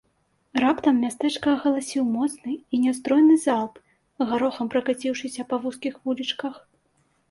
Раптам мястэчка агаласіў моцны і нястройны залп, гарохам пракаціўшыся па вузкіх вулічках.